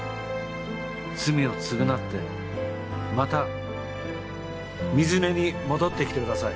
罪を償ってまた水根に戻ってきてください。